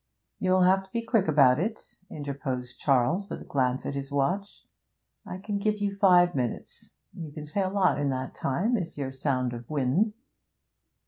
'You'll have to be quick about it,' interposed Charles, with a glance at his watch. 'I can give you five minutes; you can say a lot in that time, if you're sound of wind.'